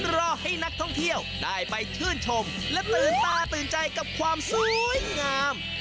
รอให้นักท่องเที่ยวได้ไปชื่นชมและตื่นตาตื่นใจกับความสวยงาม